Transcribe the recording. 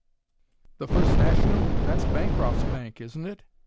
"The First National? That's Bancroft's bank, isn't it?